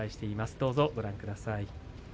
どうぞご覧ください。